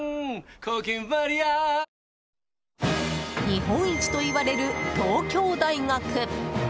日本一といわれる東京大学。